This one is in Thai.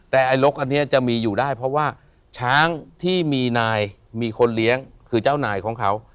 แต่ไอ้รกอันนี้จะมีอยู่ได้เพราะว่าช้างที่มีนายมีคนเลี้ยงคือเจ้านายของเขา